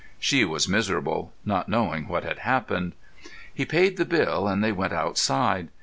She was miserable, not knowing what had happened. He paid the bill and they went outside.